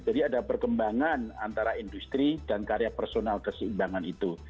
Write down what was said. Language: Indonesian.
jadi ada perkembangan antara industri dan karya personal keseimbangan itu